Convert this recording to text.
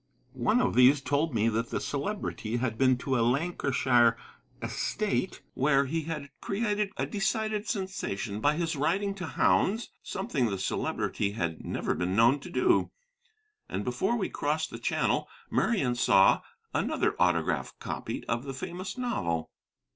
One of these told me that the Celebrity had been to a Lincolnshire estate where he had created a decided sensation by his riding to hounds, something the Celebrity had never been known to do. And before we crossed the Channel, Marian saw another autograph copy of the famous novel.